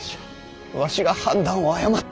わしが判断を誤った。